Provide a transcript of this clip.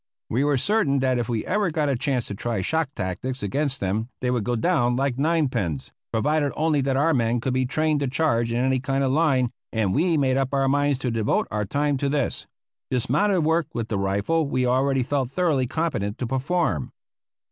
We were certain that if we ever got a chance to try shock tactics against them they would go down like nine pins, provided only that our men could be trained to charge in any kind of line, and we made up our minds to devote our time to this. Dismounted work with the rifle we already felt thoroughly competent to perform.